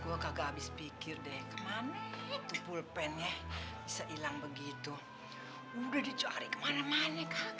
gua kagak habis pikir deh kemana itu pulpennya bisa ilang begitu udah dicari kemana mana kagak